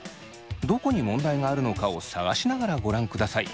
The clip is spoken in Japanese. どこに問題があるのかを探しながらご覧ください。